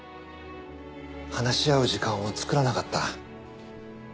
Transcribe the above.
話し合う時間を作らなかった。